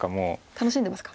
楽しんでますか。